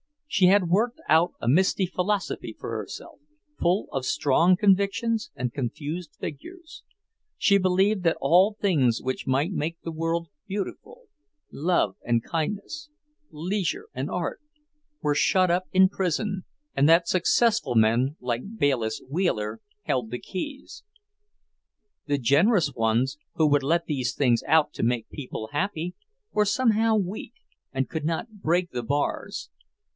She had worked out a misty philosophy for herself, full of strong convictions and confused figures. She believed that all things which might make the world beautiful love and kindness, leisure and art were shut up in prison, and that successful men like Bayliss Wheeler held the keys. The generous ones, who would let these things out to make people happy, were somehow weak, and could not break the bars.